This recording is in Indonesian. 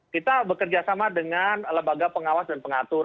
kita bekerjasama dengan lembaga pengawas dan pengatur